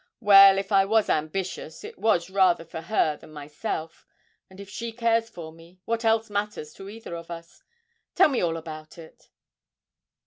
Well, if I was ambitious, it was rather for her than myself; and if she cares for me, what else matters to either of us? Tell me all about it.'